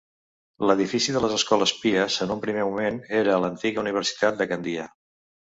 L'edifici de les Escoles Pies en un primer moment era l'antiga universitat de Gandia.